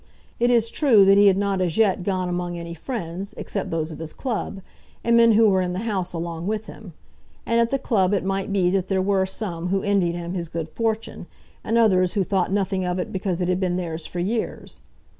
It is true that he had not as yet gone among any friends, except those of his club, and men who were in the House along with him; and at the club it might be that there were some who envied him his good fortune, and others who thought nothing of it because it had been theirs for years.